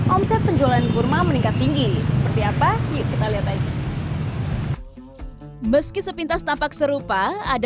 omset penjualan kurma meningkat tinggi seperti apa kita lihat meski sepintas tampak serupa ada